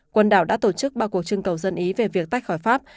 quần đảo đã tổ chức ba cuộc trưng cầu dân ý về việc tách khỏi pháp